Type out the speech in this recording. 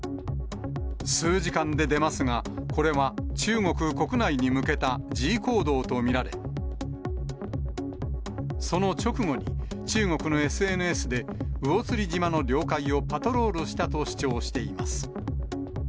数時間で出ますが、これは中国国内に向けた示威行動と見られ、その直後に中国のＳＮＳで魚釣島の領海をパトロールしたと主張しています。